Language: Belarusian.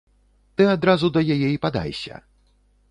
Ты адразу да яе і падайся.